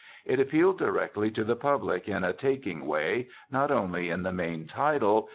It appealed directly to the public in a taking way, not only in the main title.